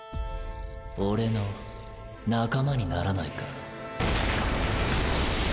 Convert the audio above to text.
俺の仲間にならないか？